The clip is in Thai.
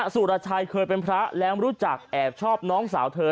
สุรชัยเคยเป็นพระแล้วรู้จักแอบชอบน้องสาวเธอ